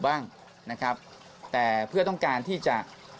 บ้างนะครับแต่เพื่อต้องการที่จะ